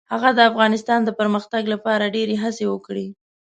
هغه د افغانستان د پرمختګ لپاره ډیرې هڅې وکړې.